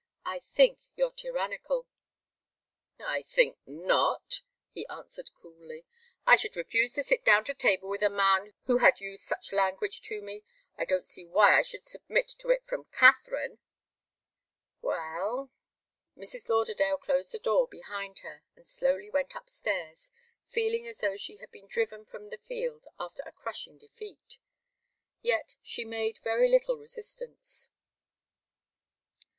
"I think you're tyrannical." "I think not," he answered, coolly. "I should refuse to sit down to table with a man who had used such language to me. I don't see why I should submit to it from Katharine." "Well " Mrs. Lauderdale closed the door behind her, and slowly went upstairs, feeling as though she had been driven from the field after a crushing defeat. Yet she had made very little resistance.